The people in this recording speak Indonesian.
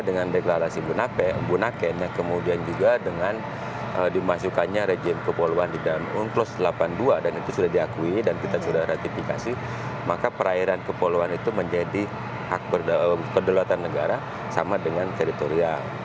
dengan deklarasi bunaken kemudian juga dengan dimasukkannya rejim kepulauan di dalam unclos delapan puluh dua dan itu sudah diakui dan kita sudah ratifikasi maka perairan kepulauan itu menjadi hak kedaulatan negara sama dengan teritorial